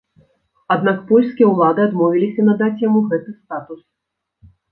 Аднак польскія ўлады адмовіліся надаць яму гэты статус.